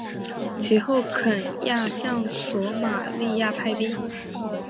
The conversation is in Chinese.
其后肯亚向索马利亚派兵。